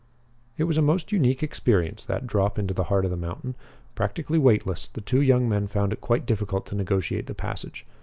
It was a most unique experience, that drop into the heart of the mountain. Practically weightless, the two young men found it quite difficult to negotiate the passage.